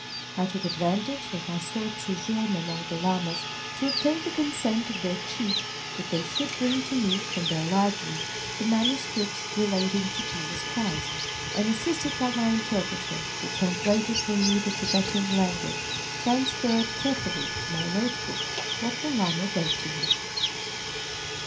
I took advantage of my short sojourn among the lamas to obtain the consent of their chief that they should bring to me, from their library, the manuscripts relating to Jesus Christ, and, assisted by my interpreter, who translated for me the Thibetan language, transferred carefully to my notebook what the lama read to me.